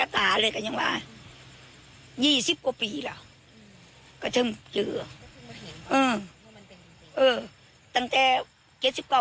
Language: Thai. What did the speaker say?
ตั้งแต่๑๙ปีค่อนโอกมายงงไป